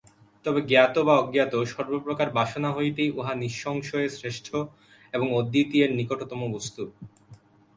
তবে জ্ঞাত বা অজ্ঞাত সর্বপ্রকার বাসনা হইতেই উহা নিঃসংশয়ে শ্রেষ্ঠ এবং অদ্বিতীয়ের নিকটতম বস্তু।